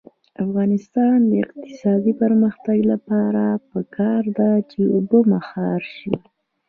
د افغانستان د اقتصادي پرمختګ لپاره پکار ده چې اوبه مهار شي.